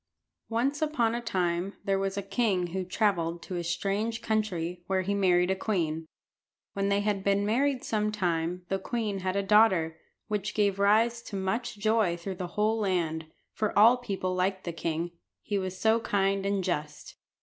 Once upon a time there was a king who travelled to a strange country, where he married a queen. When they had been married some time the queen had a daughter, which gave rise to much joy through the whole land, for all people liked the king, he was so kind and just.